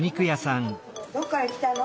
どっからきたの？